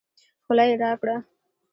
خوله يې راګړه